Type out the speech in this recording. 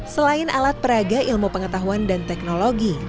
selain alat peraga ilmu pengetahuan dan teknologi